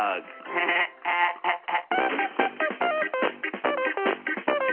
ハハッハハハ。